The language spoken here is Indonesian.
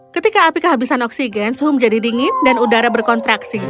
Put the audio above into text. ketika api kehabisan oksigen suhu menjadi dingin dan udara berkontraksi